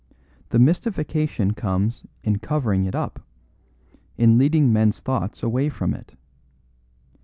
The mystification comes in covering it up, in leading men's thoughts away from it.